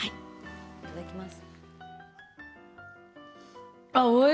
いただきます。